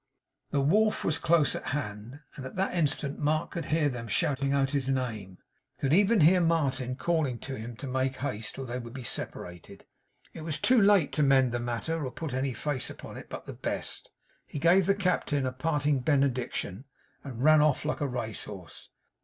The wharf was close at hand, and at that instant Mark could hear them shouting out his name; could even hear Martin calling to him to make haste, or they would be separated. It was too late to mend the matter, or put any face upon it but the best. He gave the Captain a parting benediction, and ran off like a race horse.